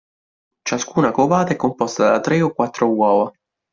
Ciascuna covata è composta da tre o quattro uova.